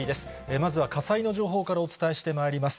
まずは火災の情報からお伝えしてまいります。